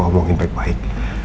membicarakannya dengan baik